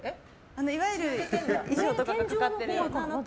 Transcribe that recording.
いわゆる衣装とかがかかってるのと。